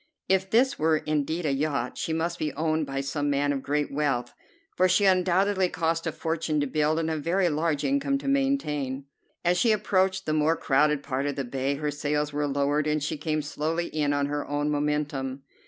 If this were indeed a yacht she must be owned by some man of great wealth, for she undoubtedly cost a fortune to build and a very large income to maintain. As she approached the more crowded part of the bay, her sails were lowered and she came slowly in on her own momentum.